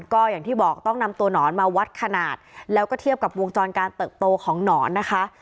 ก็อย่างที่บอกต้องนำตัวหนอนมาวัดขนาดแล้วก็เทียบกับวงจรการเติบโตของหนอนนะคะ